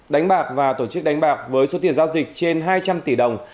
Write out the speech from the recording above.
đánh bạc và tổ chức đánh bạc với số tiền giao dịch trên hai trăm linh tỷ đồng